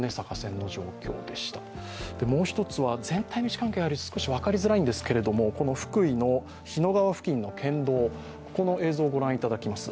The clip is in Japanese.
もう一つは、全体の位置関係少し分かりづらいんですけど福井の日野川付近の県道の映像を御覧いただきます。